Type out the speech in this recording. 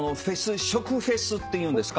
食フェスっていうんですか。